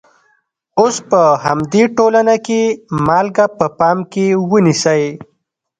اوس په همدې ټولنه کې مالګه په پام کې ونیسئ.